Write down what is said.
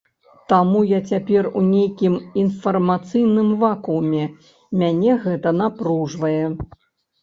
Таму я цяпер у нейкім інфармацыйным вакууме, мяне гэта напружвае.